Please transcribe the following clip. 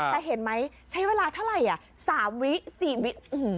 แต่เห็นไหมใช้เวลาเท่าไรสามวิสี่วิ